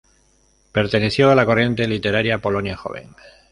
Perteneció a la corriente literaria Polonia joven.